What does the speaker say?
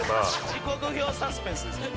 「時刻表サスペンスですよ」